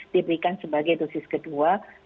diberikan sebagai dosis kedua